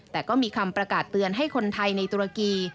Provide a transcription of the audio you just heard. แต่ก็มีคำประกาศเตือนให้คนไทยในตุรกี